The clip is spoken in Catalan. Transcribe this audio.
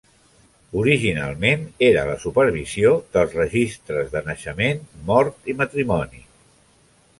Originalment, era la supervisió dels registres de naixement, mort i matrimoni.